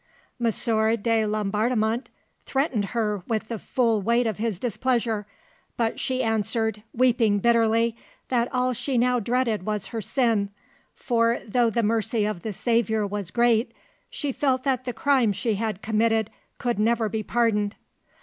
M. de Laubardemont threatened her with the full weight of his displeasure, but she answered, weeping bitterly, that all she now dreaded was her sin, for though the mercy of the Saviour was great, she felt that the crime she had committed could never be pardoned.